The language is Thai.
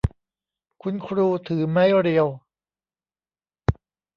คุณครูถือไม้เรียว